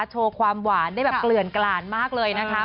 โชว์ความหวานได้แบบเกลื่อนกลานมากเลยนะคะ